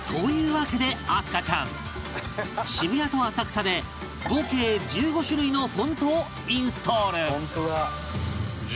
わけで明日香ちゃん渋谷と浅草で合計１５種類のフォントをインストール